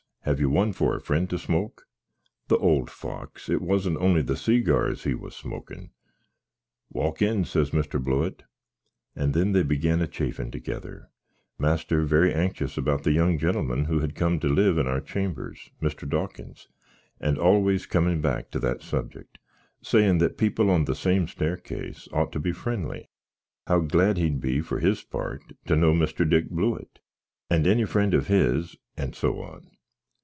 Have you one for a friend to smoak?" (The old fox, it wasn't only the seagars he was a smoakin!) "Walk in," says Mr. Blewitt; and then they began a chaffin together; master very ankshous about the young gintleman who had come to live in our chambers, Mr. Dawkins, and always coming back to that subject, sayin that people on the same stairkis ot to be frenly; how glad he'd be, for his part, to know Mr. Dick Blewitt, and any friend of his, and so on.